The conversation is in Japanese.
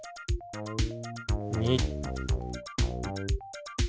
２。